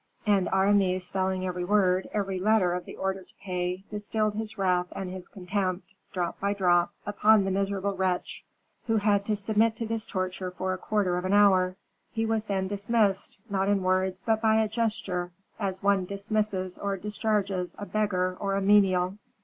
And Aramis, spelling every word, every letter of the order to pay, distilled his wrath and his contempt, drop by drop, upon the miserable wretch, who had to submit to this torture for a quarter of an hour. He was then dismissed, not in words, but by a gesture, as one dismisses or discharges a beggar or a menial.